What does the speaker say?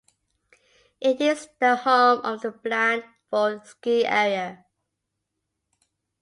It is the home of the Blandford Ski Area.